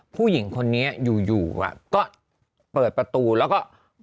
ผู้หญิงคนนี้อยู่ก็เปิดประตูแล้วก็